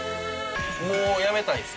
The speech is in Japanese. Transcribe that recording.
もうやめたいです。